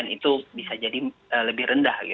itu bisa jadi lebih rendah